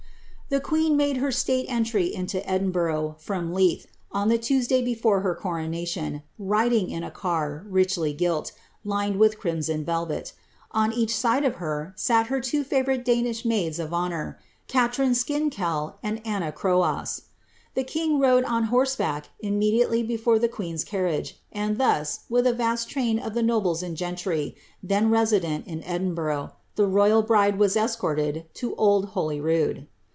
* The queen made her state entry into Edinburgh, from Leith, on the Tuesday before her coronation, riding in a car, richly gilt, lined with cnmsou velvet ; on each side of her' sat her two favourite Danish maids of honour, Katrine Skinkell and Anna Kroas. The king rode on horse backf immediately before the the queen^s carriage ; and thus, with a vast timin of the nobles and gentry, then resident at Edinburgh, the royal bride was escorted to old Holyrood.